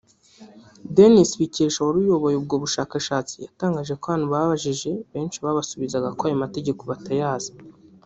Denis Bikesha wari uyoboye ubwo bushakashatsi yatangaje ko abantu babajije benshi babasubizaga ko ayo mategeko batayazi